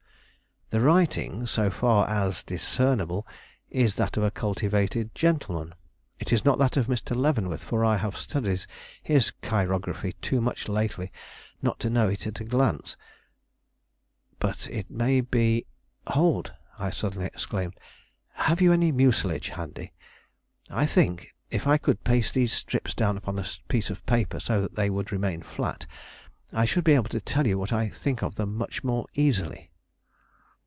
"The writing, so far as discernible, is that of a cultivated gentleman. It is not that of Mr. Leavenworth; for I have studied his chirography too much lately not to know it at a glance; but it may be Hold!" I suddenly exclaimed, "have you any mucilage handy? I think, if I could paste these strips down upon a piece of paper, so that they would remain flat, I should be able to tell you what I think of them much more easily."